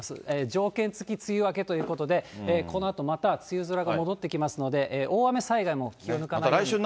条件付き梅雨明けということで、このあとまた梅雨空が戻ってきますので、大雨災害も気を抜かないように。